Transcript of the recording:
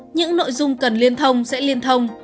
những nội dung cần liên thông sẽ liên thông